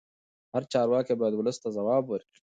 هر چارواکی باید ولس ته ځواب ورکړي